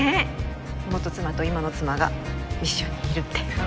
元妻と今の妻が一緒にいるって。